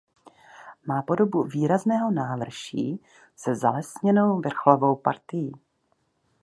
Má podobu výrazného návrší se zalesněnou vrcholovou partií.